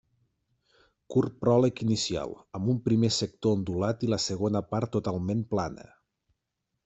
Curt pròleg inicial, amb un primer sector ondulat i la segona part totalment plana.